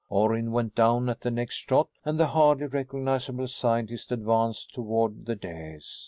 Orrin went down at the next shot and the hardly recognizable scientist advanced toward the dais.